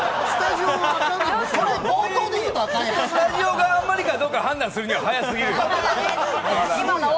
スタジオがあんまりかどうか判断するには早すぎる！